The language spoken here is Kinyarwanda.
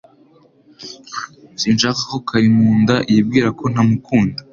Sinshaka ko Karimunda yibwira ko ntamukunda